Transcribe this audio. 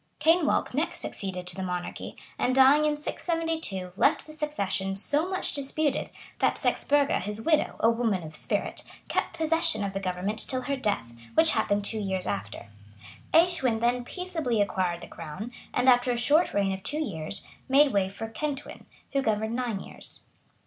Kenwalch next succeeded to the monarchy, and dying in 672, left the succession so much disputed, that Sexburga, his widow, a woman of spirit,[] kept possession of the government till her death, which happened two years after. Escwin then peaceably acquired the crown; and, after a short reign of two years, made way for Kentwin, who governed nine years.